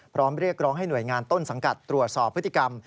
เรียกร้องให้หน่วยงานต้นสังกัดตรวจสอบพฤติกรรม